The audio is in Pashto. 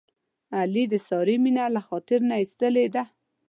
علي د سارې مینه له خاطر نه ایستلې ده.